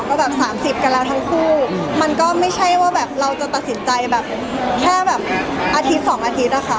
ก็แบบสามสิบกันแล้วทั้งคู่มันก็ไม่ใช่ว่าแบบเราจะตัดสินใจแบบแค่แบบอาทิตย์สองอาทิตย์อะค่ะ